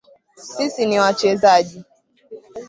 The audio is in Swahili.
Sisi ni wachezaji